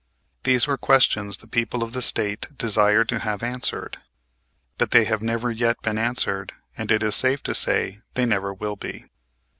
These were questions the people of the State desired to have answered, but they have never yet been answered and, it is safe to say, they never will be.